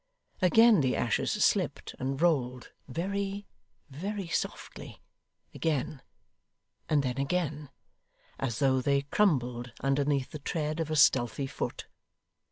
Again the ashes slipped and rolled very, very softly again and then again, as though they crumbled underneath the tread of a stealthy foot.